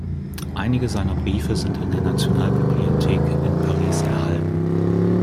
Einige seiner Briefe sind in der Nationalbibliothek in Paris erhalten.